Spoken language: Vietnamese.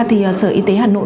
thì sở y tế hà nội